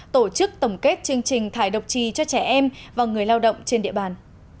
tổ chức tổng kết chương trình thải độc trì cho trẻ em và người lao động trên địa bàn